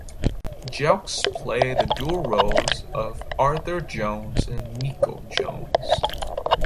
Jelks played the dual roles of Arthur Jones and Nico Jones.